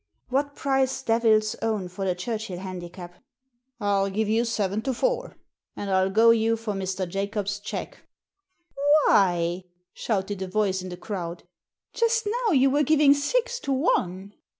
"What price Devil's Own for the Churchill Handi cap?" " I'll give you seven to four, and I'll go you for Mr. Jacobs' cheque." •'Why," shouted a voice in the crowd, "just now you were giving six to one."